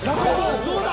どうだ？